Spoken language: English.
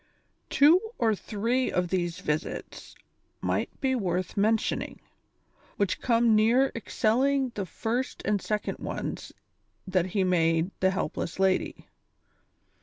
Two or three of these visits may be worth mentioning, whicli come near excelling the first and second ones that he made the helpless lady.